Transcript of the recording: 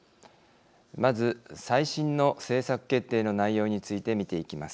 まず最新の政策決定の内容について見ていきます。